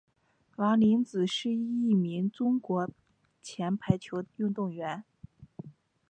王子凌是一名中国前排球运动员。